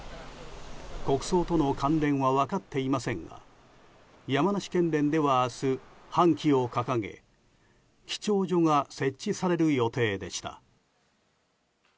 国葬との関連は分かっていませんが山梨県連では明日、半旗を掲げ記帳所が設置される予定でした。